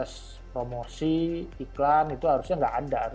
proses promosi iklan itu harusnya nggak ada